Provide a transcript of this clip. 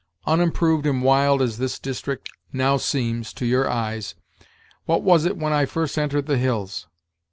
Unimproved and wild as this district now seems to your eyes, what was it when I first entered the hills?